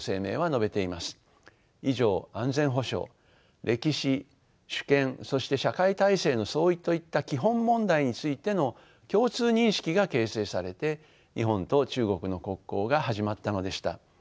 以上安全保障歴史主権そして社会体制の相違といった基本問題についての共通認識が形成されて日本と中国の国交が始まったのでした。